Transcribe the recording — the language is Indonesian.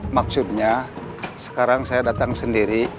maksudnya sekarang saya datang sendiri